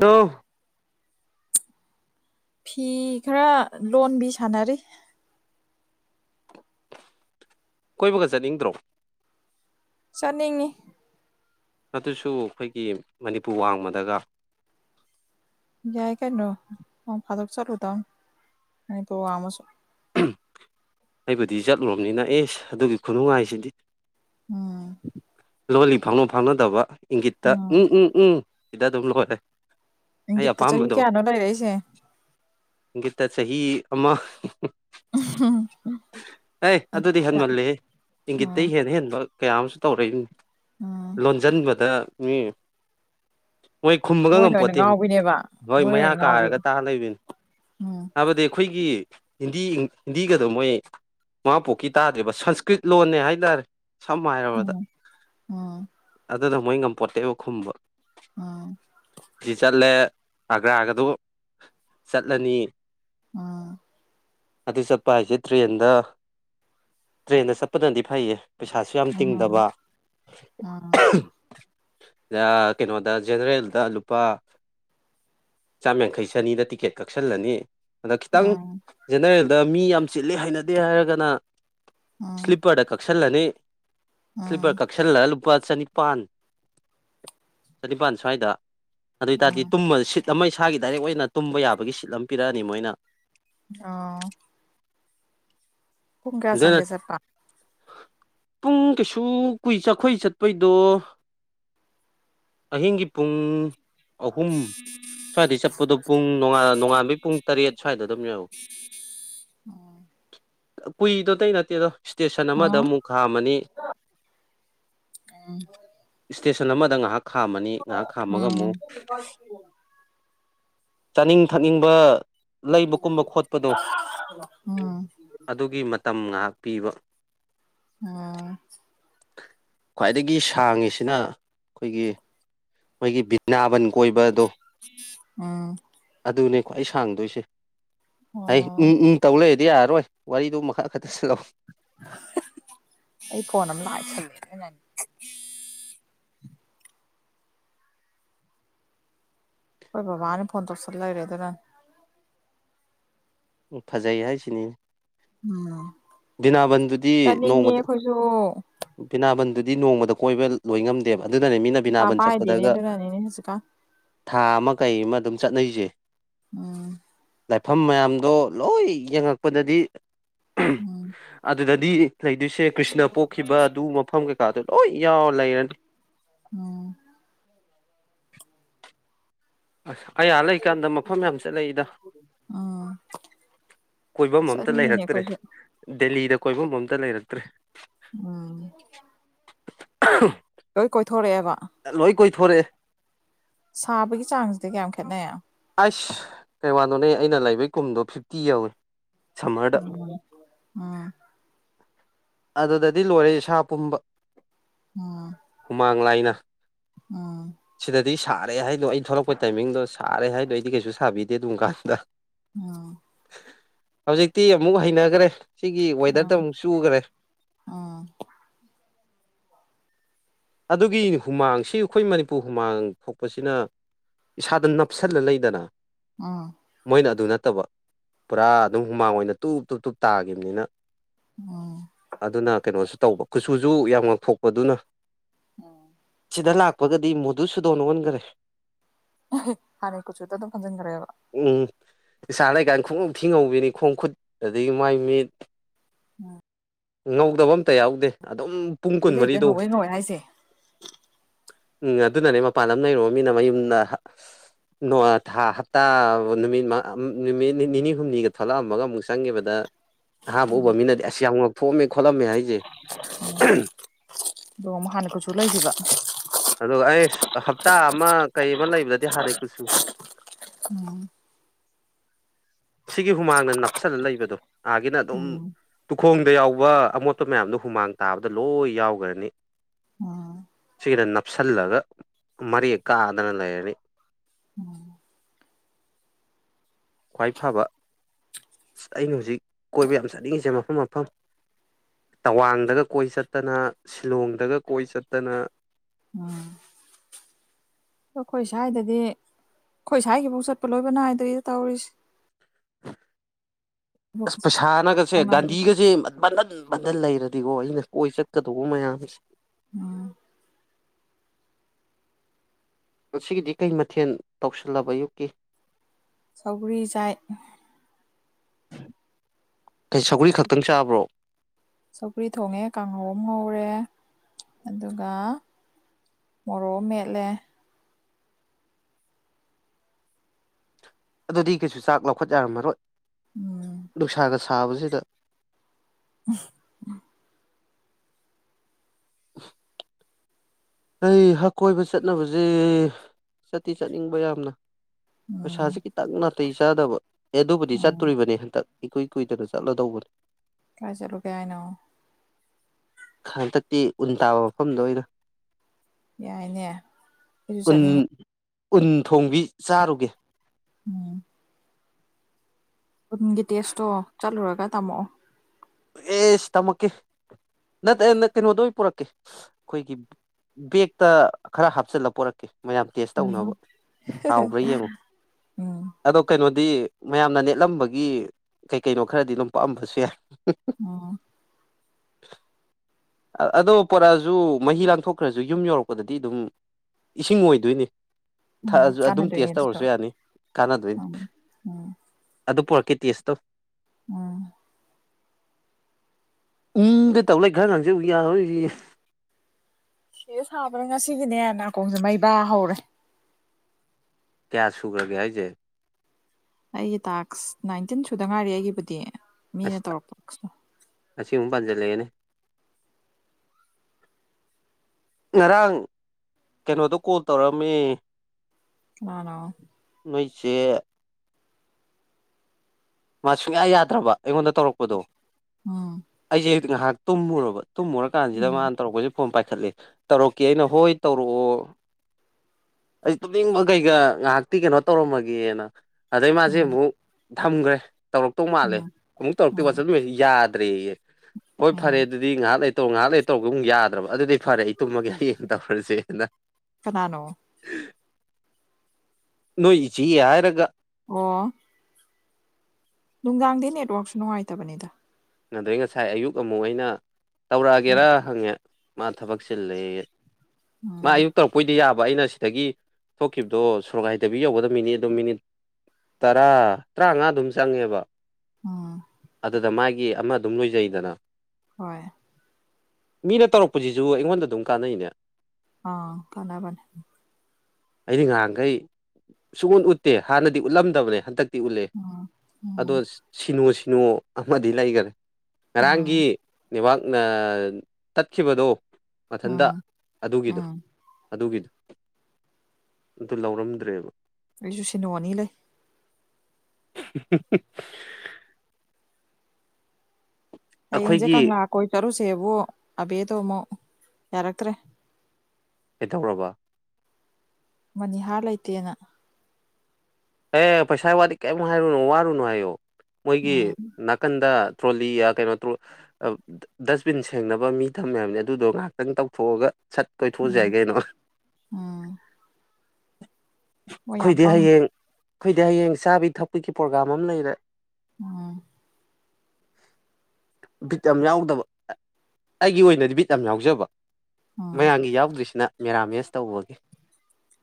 ꯇꯣ [unintelligible] [inaudible] ꯐꯤ ꯈꯔ ꯂꯣꯟꯕꯤ ꯁꯥꯟꯅꯔꯤ ꯀꯣꯏꯕꯒ ꯆꯠꯅꯤꯡꯗ꯭ꯔꯣ ꯆꯠꯅꯤꯡꯉꯤ ꯑꯗꯨꯁꯨ ꯑꯩꯈꯣꯏꯒꯤ ꯃꯅꯤꯄꯨꯔ ꯋꯥꯡꯃꯗꯒ ꯌꯥꯏ ꯀꯥꯏ ꯅ ꯐꯥꯗꯣꯛ ꯆꯠ ꯎꯗ ꯑ ꯇꯣꯃꯁꯨ ꯑꯩꯕꯨꯗꯤ ꯆꯠꯂꯨꯕꯅꯤꯅ ꯑꯦꯁ ꯑꯗꯨꯒꯤ ꯈꯨꯅꯨꯡꯉꯥꯏꯁꯤꯗꯤ ꯎꯝ ꯂꯣ ꯂꯤ ꯐꯥꯎꯅ ꯐꯥꯎꯅꯗꯕ ꯏꯪꯒꯤꯠꯇ ꯎꯝ ꯎꯝ ꯎꯝ ꯁꯤꯗ ꯑꯗꯨꯝ ꯂꯣꯏꯔꯦ ꯑꯩ ꯒꯤꯇ ꯆ ꯆꯍꯤ ꯑꯄꯥꯝꯕꯗꯣ ꯀꯌꯥꯅꯣ ꯂꯩꯔꯁꯦ ꯒꯤꯪ ꯒꯤꯠꯇ ꯆꯍꯤ ꯑꯃ [unintelligible] [inaudible] ꯑꯦ ꯑꯗꯨꯗꯤ ꯏꯪꯒꯤꯠꯇ ꯍꯦꯟꯃꯜꯂ ꯎꯝ ꯏꯪꯒꯤꯠꯇꯇꯩꯒꯤ ꯍꯦꯟꯅ ꯍꯦꯟꯕ ꯀꯌꯥ ꯑꯃꯁꯨ ꯇꯧꯔꯛꯏꯅꯤ ꯎꯝ ꯂꯣꯟꯁꯤꯟꯕꯗ ꯃꯤ ꯍꯣꯏ ꯈꯨꯝꯕꯒ ꯃꯣꯏꯅ ꯑꯣꯏꯅ ꯉꯝꯄꯣꯠꯇꯦ ꯉꯥꯎꯕꯤꯅꯦꯕ ꯍꯣꯏ ꯃꯣꯏꯅ ꯃꯌꯥ ꯑꯣꯏꯅ ꯉꯥꯎꯕꯤ ꯀꯥꯔꯒ ꯇꯥ ꯂꯩꯕꯅꯤ ꯎꯝ ꯍꯥꯏꯕꯗꯤ ꯑꯩꯈꯣꯏꯒꯤ ꯍꯤꯟꯗꯤ ꯍꯤꯟꯗꯤꯒꯗꯣ ꯃꯣꯏ ꯃꯥ ꯄꯣꯛꯀꯤ ꯇꯥꯗ꯭ꯦꯔꯤꯕ ꯁꯪꯁꯀ꯭ꯔꯤꯠ ꯂꯣꯟꯅꯦ ꯍꯥꯏꯇꯥꯔꯦ ꯁꯝꯅ ꯍꯥꯏꯔꯕꯗ ꯎꯝ ꯎꯝ ꯑꯗꯨꯗ ꯃꯣꯏ ꯉꯝꯄꯣꯔꯠꯇꯦꯕ ꯈꯨꯝꯕ ꯎꯝ ꯁꯤ ꯆꯠꯂꯦ ꯑꯒ꯭ꯔꯥꯒꯗꯨ ꯆꯠꯂꯅꯤ ꯑꯥ [unintelligible] ꯑꯗꯨ ꯆꯠꯄ ꯍꯥꯏꯁꯦ ꯇ꯭ꯔꯦꯟꯗ ꯇ꯭ꯔꯦꯟꯗ ꯆꯠꯄꯅꯗꯤ ꯐꯩꯌꯦ ꯄꯩꯁꯥꯁꯨ ꯌꯥꯝ ꯎꯝ ꯇꯤꯡꯗꯕ ꯎꯝ ꯑ ꯀꯩꯅꯣꯗ ꯖꯦꯅꯔꯦꯜꯗ ꯂꯨꯄꯥ ꯆꯥꯝ ꯌꯥꯡꯈꯩ ꯆꯅꯤꯗ ꯇꯤꯛꯀꯦꯠ ꯀꯛꯁꯜꯂꯅꯤ ꯑꯗ ꯈꯤꯇꯪ ꯎꯝ ꯖꯦꯅꯦꯔꯦꯜꯗ ꯃꯤ ꯌꯥꯝ ꯆꯤꯜꯂꯤ ꯍꯩꯅꯗꯦ ꯍꯥꯏꯔꯒꯅ ꯎꯝ ꯁꯂꯤꯄꯔꯗ ꯀꯛꯁꯤꯜꯂꯅꯤ ꯎꯝ ꯁꯂꯤꯄꯔ ꯀꯛꯁꯜꯂꯒ ꯂꯨ ꯂꯨꯄꯥ ꯆꯅꯤꯄꯥꯟ ꯆꯅꯤꯄꯥꯟ ꯁ꯭ꯋꯥꯏꯗ ꯑꯗꯨ ꯑꯣꯏꯇꯥꯔꯗꯤ ꯎꯝ ꯇꯨꯝꯃ ꯁꯤꯠ ꯇꯃꯩ ꯏꯁꯥꯒꯤ ꯗꯥꯏꯔꯦꯛ ꯑꯣꯏꯅ ꯇꯨꯝꯕ ꯌꯥꯕꯒꯤ ꯁꯤꯠ ꯑꯃ ꯄꯤꯔꯛꯑꯅꯤ ꯃꯣꯏꯅ ꯑꯣ ꯄꯨꯡ ꯀꯌꯥ ꯑꯗꯨꯅ ꯆꯪꯒꯦ ꯆꯠꯄ ꯄꯨꯡ ꯀꯩꯁꯨ ꯀꯨꯏ ꯆꯥꯛꯈꯣꯏ ꯆꯠꯄꯩꯗꯣ ꯑꯍꯤꯡꯒꯤ ꯄꯨꯡ ꯑꯍꯨꯝ ꯁ꯭ꯋꯥꯏꯗꯩ ꯆꯠꯄꯗꯣ ꯄꯨꯡ ꯅꯣꯡꯉꯥꯥꯟꯕꯩ ꯄꯨꯡ ꯇꯔꯦꯠ ꯁ꯭ꯋꯥꯏꯗ ꯑꯗꯨꯝ ꯌꯧꯢ ꯀꯨꯏꯗꯣ ꯑꯇꯩ ꯅꯠꯇꯦꯗꯣ ꯏꯁꯇꯦꯁꯟ ꯑꯃꯗ ꯎꯝ ꯑꯃꯨꯛ ꯈꯥꯝꯃꯅꯤ ꯎꯝ ꯏꯁꯇꯦꯁꯟ ꯑꯃꯗ ꯉꯥꯍꯥꯛ ꯈꯥꯝꯃꯅꯤ ꯉꯥꯍꯥꯛ ꯈꯥꯝꯃꯒ ꯎꯝ ꯑꯃꯨꯛ ꯆꯥꯅꯤꯡ ꯊꯛꯅꯤꯡꯕ ꯂꯩꯕ ꯀꯨꯝꯕ ꯈꯣꯠꯄꯗꯣ ꯎꯝ ꯒꯤ ꯃꯇꯝ ꯉꯥꯍꯥꯛ ꯄꯤꯕ ꯑ ꯈ꯭ꯋꯥꯏꯗꯒꯤ ꯁꯥꯡꯉꯤꯁꯤꯅ ꯑꯈꯣꯏꯒꯤ ꯃꯣꯏꯒꯤ ꯕꯤꯅꯥꯕꯟ ꯀꯣꯏꯕꯗꯣ ꯎꯝ ꯑꯗꯨꯅꯤ ꯈ꯭ꯋꯥꯢ ꯁꯥꯡꯗꯣꯏꯁꯦ ꯑꯩ ꯑꯣ ꯎꯝ ꯎꯝ ꯇꯧ ꯂꯩꯗꯤ ꯌꯥꯔꯔꯣꯏ ꯋꯥꯔꯤꯗꯨ ꯃꯈꯥ ꯈꯔ ꯇꯥꯁꯤꯜꯂꯛꯎ ꯑꯩ ꯀꯣꯟ ꯑꯃ ꯂꯥꯛꯁꯟ ꯑꯈꯣꯏ ꯕꯕꯥꯅ ꯐꯣꯟ ꯇꯧꯁꯤꯟ ꯂꯩꯔꯦ ꯑꯗꯨꯢꯅꯦ ꯎ ꯐꯖꯩ ꯍꯥꯏꯁꯤꯅꯤ ꯎꯝ ꯆꯠꯅꯤꯡꯉꯦ ꯑꯈꯣꯏꯁꯨ ꯄꯤꯅꯥꯕꯟꯗꯨꯗꯤ ꯅꯣꯡꯃꯗ ꯀꯣꯏꯕ ꯂꯣꯏ ꯉꯝꯗꯦꯕ ꯑꯗꯨꯅꯅꯦ ꯃꯤꯅ ꯄꯩꯁꯥ ꯕꯤꯅꯥꯕꯟ ꯄꯥꯏꯗꯦꯅꯦ ꯆꯠꯄꯗꯒ ꯑꯗꯨꯅꯅꯤꯅꯦ ꯍꯧꯖꯤꯛꯀꯥꯟ ꯊꯥ ꯑꯃ ꯀꯩ ꯑꯃ ꯑꯗꯨꯝ ꯆꯠꯅꯩꯁꯦ ꯑ ꯂꯥꯏꯐꯝ ꯃꯌꯥꯝꯗꯣ ꯂꯣꯏ ꯌꯦꯡꯉꯛꯄꯗꯗꯤ ꯎꯝ ꯑꯗꯨꯗꯗꯤ ꯂꯩꯗꯣꯏꯁꯦ ꯀ꯭ꯔꯤꯁꯅ ꯄꯣꯛꯈꯤꯕ ꯑꯗꯨ ꯃꯐꯝ ꯀꯩꯀꯥꯗꯣ ꯂꯣꯏ ꯌꯥꯎꯔ ꯂꯩꯔꯅꯤ ꯑꯣ ꯑꯩ ꯑꯥ ꯂꯩꯀꯥꯟꯗ ꯃꯐꯝ ꯌꯥꯝ ꯆꯠꯂꯛꯏꯗ ꯎꯝ ꯀꯣꯏꯕꯝ ꯑꯝꯇ ꯆꯠꯅꯤꯡꯉꯤꯅꯦ ꯂꯩꯔꯛꯇ꯭ꯔꯦ ꯑꯩꯈꯣꯏꯁꯨ ꯗꯦꯜꯂꯤꯗ ꯀꯣꯏꯕꯝ ꯑꯝꯇ ꯂꯩꯔꯛꯇ꯭ꯔꯦ ꯎꯝ [unintelligible] ꯂꯣꯏ ꯀꯣꯏꯊꯣꯔꯛꯑꯦꯕ ꯂꯣꯏ ꯀꯣꯏꯊꯣꯔꯛꯑꯦ ꯁꯥꯕꯒꯤ ꯆꯥꯡꯁꯤꯗꯤ ꯀꯌꯥꯝ ꯈꯦꯠꯅꯩ ꯑꯁ ꯀꯩ ꯋꯥꯅꯣꯅꯦ ꯑꯩꯅ ꯂꯩꯕꯒꯤ ꯀꯨꯝꯗꯣ ꯐꯤꯐꯇꯤ ꯌꯧꯢ ꯎꯝ ꯎꯝ ꯑꯗꯨꯗꯗꯤ ꯂꯣꯏꯔꯦ ꯏꯁꯥ ꯄꯨꯝꯕ ꯎꯝ ꯍꯨꯃꯥꯡ ꯂꯥꯏꯅ ꯎꯝ ꯁꯤꯗꯗꯤ ꯁꯥꯔꯦ ꯍꯥꯏꯗꯣ ꯑꯩ ꯊꯣꯛꯂꯛꯄ ꯇꯥꯏꯃꯤꯡꯗꯣ ꯁꯥꯔꯦ ꯍꯥꯏꯗꯣ ꯑꯩꯗꯤ ꯀꯩꯁꯨ ꯁꯥꯕꯤꯗꯦ ꯑꯗꯨꯝ ꯀꯥꯟꯗ ꯎꯝ ꯍꯧꯖꯤꯛꯇꯤ ꯑꯃꯨꯛ ꯍꯩꯅꯈ꯭ꯔꯦ ꯁꯤꯒꯤ ꯋꯦꯗꯔꯗ ꯑꯃꯨꯛ ꯆꯨꯒ꯭ꯔꯦ ꯑꯥ ꯑꯗꯨꯒꯤ ꯍꯨꯃꯥꯡ ꯁꯤ ꯑꯈꯣꯏ ꯃꯅꯤꯄꯨꯔ ꯍꯨꯃꯥꯡ ꯊꯣꯛꯄꯁꯤꯅ ꯏꯁꯥꯗ ꯅꯞꯁꯤꯜꯂ ꯂꯩꯗꯅ ꯑꯥ ꯃꯣꯏꯅ ꯑꯗꯨ ꯅꯠꯇꯕ ꯄꯨꯔꯥ ꯑꯗꯨꯝ ꯍꯨꯃꯥꯡ ꯑꯣꯏꯅ ꯇꯨꯞꯞ ꯇꯨꯞꯞ ꯇꯨꯞ ꯇꯥꯈꯤꯕꯅꯤꯅ ꯑꯣꯝ ꯑꯗꯨꯅ ꯀꯩꯅꯣꯁꯨ ꯇꯧꯕ ꯀꯨꯆꯨꯁꯨ ꯌꯥꯝ ꯉꯥꯛꯊꯣꯛꯄꯗꯨꯅ ꯑ ꯁꯤꯗ ꯂꯥꯛꯄꯒꯗꯤ ꯃꯨꯗꯨ ꯁꯨꯗꯣꯟ ꯑꯣꯟꯈꯔꯦ ꯍꯥꯟꯅꯩ ꯀꯨꯆꯨꯗ ꯑꯗꯨꯝ ꯈꯟꯖꯤꯟꯈ꯭ꯔꯦꯕ ꯎꯝ ꯏꯁꯥ ꯂꯩꯀꯥꯏ ꯈꯣꯡꯎꯞ ꯊꯤꯡꯍꯧꯕꯤꯅꯤ ꯈꯣꯡ ꯈꯨꯠ ꯑꯗꯒꯤ ꯃꯥꯏ ꯃꯤꯠ ꯎꯝ ꯉꯧꯗꯕ ꯑꯝꯇ ꯌꯥꯎꯗꯦ ꯑꯗꯨꯝ ꯄꯨꯡ ꯁꯤ ꯂꯩꯕꯗ ꯀꯨꯟꯃꯔꯤꯗꯧ ꯉꯧꯋꯦ ꯉꯧꯋꯦ ꯍꯥꯏꯁꯦ ꯎꯝ ꯑꯗꯨꯅꯅꯦ ꯃꯄꯥꯟ ꯂꯝ ꯂꯩꯔꯨꯕ ꯃꯤꯅ ꯃꯌꯨꯝꯗ ꯊꯥ ꯍꯞꯇꯥ ꯅꯨꯃꯤꯠ ꯅꯨꯃꯤꯠ ꯅꯤꯅꯤ ꯍꯨꯝꯅꯤꯒ ꯊꯣꯛꯂꯛꯑꯝꯃꯒ ꯑꯃꯨꯛ ꯆꯪꯈꯤꯕꯗ ꯑꯍꯥꯟꯕ ꯎꯕ ꯃꯤꯅꯗꯤ ꯑꯁ ꯑꯁ ꯌꯥꯝ ꯉꯊꯣꯛꯑꯝꯃꯦ ꯈꯣꯠꯂꯝꯃꯦ ꯍꯥꯏꯁꯦ ꯑ ꯍꯥꯟꯅ ꯀꯩꯁꯨ ꯂꯩꯈꯤꯕ ꯑꯗꯨꯒ ꯑꯩ ꯍꯞꯇꯥ ꯑꯃ ꯀꯩ ꯑꯃ ꯂꯩꯕꯗꯗꯤ ꯍꯥꯟꯅꯩ ꯀꯨꯁꯨ [inaudible] ꯁꯤꯒꯤ ꯍꯨꯃꯥꯡꯅ ꯅꯞꯁꯜꯂ ꯂꯩꯕꯗꯣ ꯑꯥꯒꯤꯅ ꯑꯗꯨꯝ ꯎꯝ ꯇꯨꯈꯣꯡꯗ ꯌꯥꯎꯕ ꯑꯃꯣꯠꯄ ꯃꯌꯥꯝꯗꯣ ꯍꯨꯃꯥꯡ ꯇꯥꯕꯗ ꯂꯣꯏ ꯌꯥꯎꯈ꯭ꯔꯅꯤ ꯑꯣ ꯁꯤꯒꯤꯗ ꯅꯞꯁꯤꯜꯂꯒ ꯃꯔꯦꯛ ꯀꯥꯗꯅ ꯂꯩꯔꯅꯤ ꯎꯝ ꯈ꯭ꯋꯥꯏ ꯐꯕ ꯑꯁ ꯑꯩꯅ ꯍꯧꯖꯤꯛ ꯀꯣꯏꯕ ꯌꯥꯝ ꯆꯠꯅꯤꯡꯉꯤꯁꯦ ꯃꯐꯝ ꯃꯐꯝ ꯇꯋꯥꯡꯗꯒ ꯀꯣꯏ ꯆꯠꯇꯅ ꯁꯤꯂꯣꯡꯗꯒ ꯀꯣꯏ ꯆꯠꯇꯅ ꯎꯝ ꯑꯗꯣ ꯑꯩꯈꯣꯏ ꯁ꯭ꯋꯥꯏꯗꯗꯤ ꯑꯩꯈꯣꯏ ꯁ꯭ꯋꯥꯏꯒꯤꯐꯧ ꯆꯠꯄ ꯂꯣꯏꯕ ꯅꯥꯏꯗꯏꯗ ꯇꯧꯔꯤꯁꯦ ꯑꯗꯨ ꯑꯁ ꯄꯩꯁꯥꯅꯒꯁꯦ ꯉꯝꯗꯦ ꯒꯥꯟꯙꯤꯒꯁꯦ ꯕꯟꯗꯟ ꯕꯟꯗꯟ ꯂꯩꯔꯗꯤꯀꯣ ꯑꯩꯅ ꯀꯣꯏ ꯆꯠꯀꯗꯧꯕ ꯃꯌꯥꯝꯁꯦ ꯎꯝ ꯉꯁꯤꯒꯤꯗꯤ ꯀꯩ ꯃꯊꯦꯜ ꯇꯧꯁꯜꯂꯕ ꯑꯌꯨꯛꯀꯤ ꯁꯧꯒ꯭ꯔꯤ ꯆꯥꯏ ꯁꯧꯒ꯭ꯔꯤ ꯈꯛꯇꯪ ꯆꯥꯕ꯭ꯔꯣ ꯁꯧꯒ꯭ꯔꯤ ꯊꯣꯡꯉꯦ ꯀꯥꯡꯍꯧ ꯑꯃ ꯉꯧꯔꯦ ꯑꯗꯨꯒ ꯃꯣꯔꯣꯛ ꯑꯝ ꯃꯦꯠꯂꯦ ꯑꯗꯨꯗꯤ ꯀꯩꯁꯨ ꯆꯥꯛ ꯂꯧꯈꯠ ꯌꯥꯔꯝꯃꯔꯣꯏ ꯎꯝ ꯅꯨꯡꯁꯥꯒ ꯁꯥꯕꯁꯤꯗ ꯎꯝ [inaudible] ꯑꯩ ꯍ ꯥꯀꯣꯏꯕ ꯆꯠꯅꯕꯁꯦ ꯆꯠꯇꯤ ꯆꯠꯅꯤꯡꯕ ꯌꯥꯝꯅ ꯎꯝ ꯄꯩꯁꯥꯥꯁꯦ ꯈꯤꯇꯪ ꯅꯥꯇꯩ ꯆꯥꯗꯕ ꯑꯦ ꯑꯗꯨꯕꯨꯗꯤ ꯎꯝ ꯆꯠꯇꯣꯔꯤꯕꯅꯤ ꯍꯟꯇꯛ ꯏꯀꯨꯏ ꯀꯨꯏꯗꯅ ꯆꯠꯂꯗꯧꯕꯅꯤ ꯀꯥꯏ ꯆꯠꯂꯨꯒꯦ ꯍꯥꯏꯅꯣ ꯍꯟꯗꯛꯇꯤ ꯎꯟ ꯇꯥꯕ ꯃꯐꯝꯗ ꯑꯣꯏꯅ ꯌꯥꯏꯅꯦ ꯑꯩꯁꯨ ꯎꯟ ꯆꯠꯅꯤꯡꯉꯦ ꯎꯟ ꯊꯣꯡꯕꯤ ꯆꯥꯔꯨꯒꯦ ꯎꯝ ꯎꯟꯒꯤ ꯇꯦꯁꯇꯣ ꯆꯠꯂꯨꯔꯒ ꯇꯝꯃꯛꯑꯣ ꯑꯦꯁ ꯇꯝꯃꯛꯀꯦ ꯅꯠ ꯑꯦ ꯅꯠꯇꯦ ꯀꯩꯅꯣꯗꯣ ꯑꯣꯏ ꯄꯨꯔꯛꯀꯦ ꯑꯩꯈꯣꯏꯒꯤ ꯕꯦꯛꯇ ꯈꯔ ꯍꯥꯞꯆꯤꯜꯂꯒ ꯄꯣꯔꯛꯀꯦ ꯃꯌꯥꯝ ꯇꯦꯁ ꯎꯝ ꯇꯧꯅꯕ ꯍꯥꯎꯕ꯭ꯔꯥ ꯌꯦꯡꯉꯨ ꯎꯝ ꯑꯗꯣ ꯀꯩꯅꯣꯗꯤ ꯃꯌꯥꯝꯅ ꯅꯦꯠꯂꯝꯕꯒꯤ ꯀꯩ ꯀꯩꯅꯣ ꯈꯔꯗꯤ ꯑꯗꯨꯝ ꯄꯥꯛꯑꯝꯕꯁꯨ ꯌꯥꯏ ꯑꯣ ꯑꯗꯣ ꯄꯣꯔꯥꯁꯨ ꯃꯍꯤ ꯂꯥꯡꯊꯣꯛꯈ꯭ꯔꯁꯨ ꯌꯨꯝ ꯌꯧꯔꯛꯄꯗꯗꯤ ꯑꯗꯨꯝ ꯏꯁꯤꯡ ꯑꯣꯏꯗꯣꯏꯅꯤ ꯎꯝ ꯊꯛꯑꯁꯨ ꯑꯗꯨꯝ ꯀꯥꯟꯅꯗꯣꯏꯅꯦ ꯇꯦꯁ ꯑꯗꯨꯁꯨ ꯇꯧꯔꯁꯨ ꯌꯥꯅꯤ ꯀꯥꯟꯅꯗꯣꯏꯅꯤ ꯎꯝ ꯎꯝ ꯑꯗꯨ ꯄꯨꯔꯛꯀꯦ ꯇꯁꯇꯧ ꯎꯝ ꯎꯝꯗ ꯇꯧꯂꯩ ꯈꯔ ꯉꯥꯡꯖꯜꯂꯨ ꯌꯥꯔꯣꯏꯁꯤ [unintelligible] ꯁꯥꯕ꯭ꯔꯥ ꯉꯁꯤꯒꯤꯅꯦ ꯅꯥꯀꯣꯡꯁꯦ ꯃꯩꯕꯥ ꯍꯧꯔꯦ ꯀꯌꯥ ꯁꯨꯈ꯭ꯔꯒꯦ ꯑꯩꯁꯦ ꯑꯩꯒꯤ ꯇꯥꯛꯁ ꯅꯥꯏꯟꯇꯤꯟ ꯁꯨꯗ ꯉꯥꯏꯔꯤ ꯑꯩꯒꯤꯕꯨꯗꯤ ꯃꯤꯅ ꯑꯁ ꯇꯧꯔꯛꯄ ꯑꯁꯤ ꯃꯨꯛ ꯄꯟꯖꯟꯂꯛꯑꯦꯅꯦ ꯉꯔꯥꯡ ꯀꯩꯅꯣꯗꯣ ꯀꯣꯜ ꯇꯧꯔꯛꯑꯝꯃꯤ ꯀꯅꯥꯅꯣ ꯅꯣꯏꯆꯦ ꯃꯥ ꯁꯨꯡꯌꯥ ꯌꯥꯗ꯭ꯔꯥꯕ ꯑꯩꯉꯣꯟꯗ ꯇꯧꯔꯛꯄꯗꯣ ꯎꯝ ꯑꯩꯁꯦ ꯉꯥꯍꯥꯛ ꯇꯨꯝꯃꯨꯔꯕ ꯇꯨꯝꯃꯨꯔ ꯀꯥꯟꯁꯤꯗ ꯎꯝ ꯃꯥꯅ ꯇꯧꯔꯛꯄꯁꯤ ꯐꯣꯟ ꯄꯥꯏꯈꯠꯂꯦ ꯇꯧꯔꯛꯀꯦ ꯑꯩꯅ ꯍꯣꯏ ꯇꯧꯔꯛꯑꯣ ꯑꯩꯁ ꯇꯨꯅꯤꯡꯕ ꯀꯩꯒ ꯉꯥꯏꯍꯥꯛꯇꯤ ꯀꯩꯅꯣ ꯇꯧꯔꯝꯃꯒꯦꯅ ꯑꯗꯩ ꯃꯥꯁꯦ ꯎꯝ ꯑꯃꯨꯛ ꯊꯝꯈ꯭ꯔꯦ ꯇꯧꯔꯛꯇꯧ ꯃꯥꯜꯂꯦ ꯎꯝ ꯑꯃꯨꯛ ꯇꯧꯔꯛꯇꯦ ꯎꯝ ꯋꯥꯠ ꯆꯞꯁꯨ ꯌꯥꯗ꯭ꯔꯦꯌꯦ ꯍꯣꯏ ꯐꯔꯦ ꯎꯝ ꯑꯗꯨꯗꯤ ꯑꯗꯨꯗꯤ ꯉꯥꯏꯍꯥꯛ ꯂꯩꯇꯧ ꯉꯥꯏꯍꯥꯛ ꯂꯩꯇꯧꯕ ꯑꯗꯨꯝ ꯌꯥꯗ꯭ꯔꯕ ꯑꯗꯨꯗꯤ ꯐꯔꯦ ꯑꯩ ꯇꯨꯝꯃꯒꯦ ꯍꯌꯦꯡ ꯇꯧꯔꯁꯦꯅ ꯑꯣ ꯅꯣꯏ ꯏꯆꯦ ꯍꯥꯏꯔꯒ ꯑꯣ ꯅꯨꯡꯗꯥꯡꯗꯤ ꯅꯦꯠꯋꯥꯔꯛꯁꯨ ꯅꯨꯡꯉꯥꯏꯇꯕꯅꯤꯗ ꯉꯗꯩ ꯉꯁꯥꯏ ꯑꯌꯨꯛ ꯑꯃꯨꯛ ꯑꯩꯅ ꯎꯝ ꯇꯧꯔꯛꯑꯒꯦꯔ ꯍꯪꯉꯦ ꯃꯥ ꯊꯕꯛꯁꯤ ꯂꯦꯔꯦ ꯃꯥ ꯎꯝ ꯑꯌꯨꯛ ꯇꯧꯔꯛꯄꯣꯏꯗꯤ ꯌꯥꯕ ꯑꯩꯅ ꯁꯤꯗꯒꯤ ꯊꯣꯛꯈꯤꯕꯗꯣ ꯁꯣꯔꯣꯒꯥꯏꯗꯕꯤ ꯌꯧꯒꯗꯕ ꯃꯤꯅꯤ ꯑꯗꯣ ꯃꯤꯅꯤꯠ ꯇꯔꯥ ꯇꯔꯥꯃꯉꯥ ꯑꯗꯨꯝ ꯆꯪꯉꯦꯕ ꯑꯣ ꯑꯗꯨꯗ ꯃꯥꯒꯤ ꯑꯃ ꯑꯗꯨꯝ ꯂꯣꯏꯖꯩꯗꯅ ꯍꯣꯏ ꯃꯤꯅ ꯇꯧꯔꯛꯄꯁꯤꯁꯨ ꯑꯩꯉꯣꯟꯗ ꯑꯗꯨꯝ ꯀꯥꯟꯅꯩꯅꯦ ꯑ ꯀꯅꯥ ꯕꯅꯦ ꯑꯩꯗꯤ ꯉꯍꯥꯡꯈꯩ ꯁꯨꯡꯒꯣꯟ ꯎꯠꯇꯦ ꯍꯥꯟꯅꯗꯤ ꯎꯠꯂꯝꯗꯕꯅꯦ ꯍꯟꯗꯛ ꯇꯤ ꯎꯠꯂꯦ ꯎꯝ ꯑꯗꯣ ꯎꯝ ꯁꯤꯅꯣ ꯁꯤꯅꯣ ꯑꯃꯗꯤ ꯂꯩꯈꯔꯦ ꯉꯔꯥꯡꯒꯤ ꯎꯝ ꯅꯦꯠꯋꯥꯛꯅ ꯇꯠꯈꯤꯕꯗꯣ ꯃꯊꯟꯇ ꯎꯝ ꯑꯗꯨꯒꯤꯗꯨ ꯎꯝ ꯑꯗꯨꯒꯤꯗꯣ ꯑꯗꯨ ꯂꯧꯔꯝꯗ꯭ꯔꯦꯕ ꯑꯩꯁꯨ ꯁꯤꯅꯣ ꯑꯅꯤ ꯂꯩ [unintelligible] ꯍꯌꯦꯡꯁꯦ ꯑꯩꯈꯣꯏꯒꯤ ꯀꯪꯂꯥ ꯀꯣꯏ ꯇꯔꯨꯁꯦꯕꯨ ꯑꯕꯦꯗꯣ ꯑꯃꯨꯛ ꯌꯥꯔꯛꯇ꯭ꯔꯦ ꯀꯩꯊꯧꯔꯕ ꯃꯅꯤꯍꯥꯔ ꯂꯩꯇꯦꯅ ꯑꯦ ꯄꯩꯁꯥ ꯋꯥꯗꯤ ꯀꯔꯤꯝ ꯍꯥꯏꯔꯨꯅꯨ ꯋꯥꯔꯨꯅꯨ ꯍꯥꯏꯌꯣ ꯃꯣꯏꯒꯤ ꯎꯝ ꯅꯥꯀꯟꯗ ꯇ꯭ꯔꯣꯂꯤ ꯀꯩꯅꯣ ꯇ꯭ꯔꯣ ꯗꯁꯕꯤꯟ ꯁꯦꯡꯅꯕ ꯃꯤ ꯊꯝꯃꯦꯕꯅꯦ ꯑꯗꯨꯗꯣ ꯉꯥꯏꯍꯥꯛꯇꯪ ꯇꯧꯊꯣꯛꯑꯒ ꯁꯠ ꯀꯣꯏꯊ‌ꫭꯛ ꯑꯖꯨꯞꯌꯥꯏ ꯎꯝ ꯀꯩꯅꯣ ꯎꯝ ꯃ‌ꫭꯏ ꯌꯥꯝ ꯄꯪꯉ‌ꯦ ꯈꯣꯏꯗꯤ ꯍꯌꯦꯡ ꯆꯥꯕꯤ ꯊꯛꯄꯤꯒꯤ ꯄ꯭ꯔꯣꯒꯥꯝ ꯑꯃ ꯂꯩꯔꯦ꯫ ꯎꯝ [inaudible] ꯕꯤꯠ ꯌꯥꯝ ꯌꯥꯎꯗꯕ ꯑꯩꯒꯤ ꯑꯣꯏꯅꯗꯤ ꯕꯤꯠ ꯌꯥꯝ ꯌꯥꯎꯖꯕ꯫ ꯎꯝ ꯃꯌꯥꯝꯒꯤ ꯌꯥꯎꯗ꯭ꯔꯤꯁꯤꯅ ꯃꯦꯔꯥꯃꯦꯁ ꯇꯧꯕꯒꯤ꯫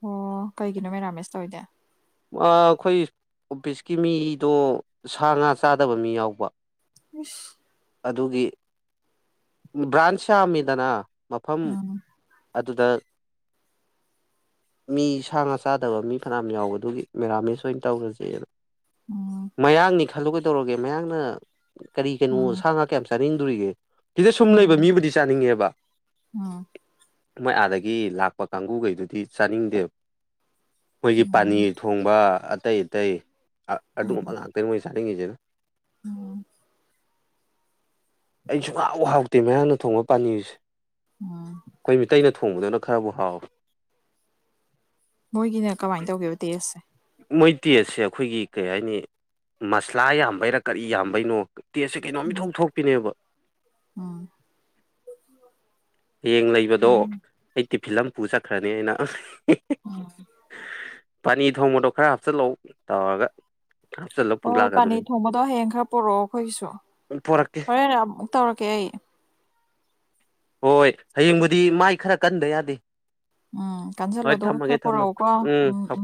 ꯑꯣ ꯀꯩꯒꯤꯅꯣ ꯃꯦꯔꯥꯃꯦꯁ ꯇꯧꯏꯗꯦ? ꯑ ꯑꯥꯈꯣꯏ ꯑꯣꯐꯤꯁꯀꯤ ꯃꯤꯗꯣ ꯁꯥ ꯉꯥ ꯆꯥꯗꯕ ꯃꯤ ꯌꯥꯎꯕ꯫ ꯍꯨꯏꯁ ꯑꯗꯨꯒꯤ ꯕ꯭ꯔꯥꯟꯁ ꯌꯥꯝꯃꯤꯗꯅ ꯃꯐꯝ ꯎꯝ ꯑꯗꯨꯗ ꯃꯤ ꯁꯥ ꯉꯥ ꯆꯥꯗꯕ ꯃꯤ ꯐꯅꯌꯥꯝ ꯌꯥꯎꯏ ꯑꯗꯨꯒꯤ ꯃꯦꯔꯥꯃꯦꯁ ꯑꯣꯏꯅ ꯇꯧꯔꯁꯦꯅ ꯎꯝ ꯃꯌꯥꯡꯅꯤ ꯈꯜꯂꯨ ꯀꯩꯗꯧꯔꯒꯦ ꯃꯌꯥꯡꯅ ꯀꯔꯤ ꯀꯩꯅꯣ ꯎꯝ ꯁꯥ ꯉꯥ ꯀꯌꯥꯝ ꯆꯥꯅꯤꯡꯗꯣꯔꯤꯒꯦ? ꯁꯤꯗ ꯁꯨꯝ ꯂꯩꯕ ꯎꯝ ꯃꯤꯕꯨꯗꯤ ꯆꯥꯅꯤꯡꯉꯦꯕ꯫ ꯎꯝ ꯃꯣꯏ ꯑꯥꯗꯒꯤ ꯂꯥꯛꯄ ꯀꯥꯡꯒꯨꯒꯩꯗꯨꯗꯤ ꯆꯥꯅꯤꯡꯗꯦꯕ ꯃꯣꯏꯒꯤ ꯎꯝ ꯄꯥꯅꯤ ꯑ ꯑꯇꯩ ꯑꯇꯩ ꯑꯗꯨꯒꯨꯝꯕ ꯉꯥꯛꯇ ꯃꯣꯏ ꯆꯥꯅꯤꯡꯉꯤꯖꯦꯅꯥ ꯑ‌ꫭ ꯑꯩꯁꯨ ꯁꯨꯡꯍꯥꯎ ꯍꯥꯎꯇꯦ ꯃꯌꯥꯡꯅ ꯊꯣꯡꯕ ꯄꯥꯅꯤꯔꯁꯦ꯫ ꯎꯝ ꯈꯣꯏ ꯃꯤꯇꯩꯅ ꯊꯣꯡꯕꯗꯨꯅ ꯈꯔꯕꯨ ꯍꯥꯎꯋꯤ꯫ ꯃꯣꯏꯒꯤꯅ ꯀꯃꯥꯏ ꯇꯧꯒꯦꯕ ꯇꯦꯁꯁꯦ? ꯃꯣꯏ ꯇꯦꯁꯁꯦ ꯈꯣꯏꯒꯤ ꯀꯔꯤ ꯍꯥꯏꯅꯤ ꯃꯁꯂꯥ ꯌꯥꯝꯕꯩꯔꯥ ꯀꯔꯤ ꯌꯥꯝꯕꯩꯅꯣ ꯇꯦꯁꯁꯦ ꯀꯩꯅꯣꯝ ꯏꯊꯣꯛ ꯊꯣꯛꯄꯤꯅꯦꯕ꯫ ꯎꯝ ꯍꯌꯦꯡ ꯂꯩꯕꯗꯣ ꯑꯩ ꯇꯤꯐꯤꯜꯃꯥ ꯄꯨꯔꯒ ꯆꯠꯈ꯭ꯔꯅ‌ꯦꯅꯤ [inaudible] ꯄꯥꯅꯤ ꯊꯣꯡꯕꯗꯣ ꯈꯔ ꯍꯥꯞꯆꯤꯜꯂꯧ ꯇꯧꯔꯒ ꯍꯥꯞꯆꯤꯜꯂ ꯄꯨ ꯍꯣꯏ ꯂꯥꯛꯀꯗꯣꯔꯤ ꯄꯥꯅꯤꯔ ꯊꯣꯡꯕꯗꯣ ꯍꯌꯦꯡ ꯈꯔ ꯄꯔꯛꯑꯣ ꯇꯟꯈꯣꯏꯒꯤꯁꯨ ꯄꯣꯔꯛꯀꯦ ꯍꯣꯔ ꯑꯃꯨꯛ ꯇꯧꯔꯛꯀꯦ ꯑꯩ꯫ ꯍꯣꯏ ꯍꯌꯦꯡꯕꯨꯗꯤ ꯃꯥꯏ ꯈꯔ ꯀꯟꯗ ꯌꯥꯗꯦ꯫ ꯎꯝ ꯀꯥꯟꯁꯤꯜꯂꯣ ꯍꯣꯏ ꯑꯗꯨꯒ ꯊꯝꯃꯒꯦ ꯈꯔ ꯊꯝꯃꯒꯦ ꯄꯣꯔꯛꯎꯀꯣ ꯎꯝ ꯊꯝ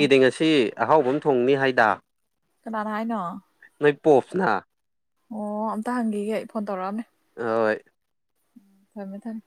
ꯎꯝ ꯉꯁꯤ ꯁꯤ ꯑꯍꯥꯎꯕ ꯑꯃ ꯊꯣꯡꯅꯤ ꯍꯥꯏꯗ꯫ ꯀꯅꯥꯅ ꯍꯥꯏꯅꯣ? ꯅꯣꯏ ꯄꯣꯞꯁꯅ꯫ ꯑꯣ ꯑꯝꯇ ꯍꯪꯈꯤꯒꯦ ꯑꯩ ꯐꯣꯟ ꯇꯧꯔꯛꯑꯝꯃꯦ꯫ ꯍꯣꯏ ꯊꯝꯃꯦ ꯊꯝꯃꯦ